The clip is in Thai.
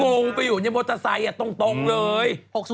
ที่งูไปอยู่ในมอเตอร์ไซต์อ่ะตรงเลย